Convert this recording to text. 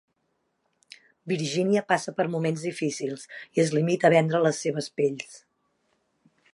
Virginia passa per moments difícils i es limita a vendre les seves pells.